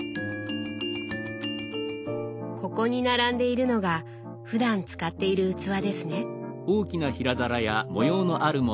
ここに並んでいるのがふだん使っている器ですね。